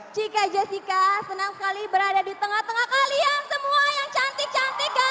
cika jessica senang sekali berada di tengah tengah kalian semua yang cantik cantik